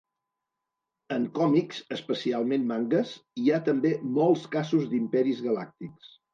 En còmics, especialment mangues, hi ha també molts casos d'imperis galàctics.